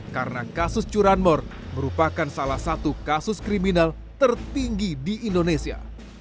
karena kasus curanmor merupakan salah satu kasus kriminal tertinggi di indonesia